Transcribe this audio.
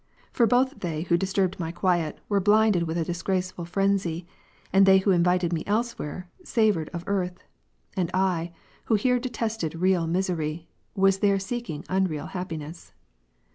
For both they who disturbed my quiet, were blinded with a disgraceful phrenzy, and they who invited me elsewhere, savoured of earth. And I, who here detested real misery, was there seeking unreal hai:)piness.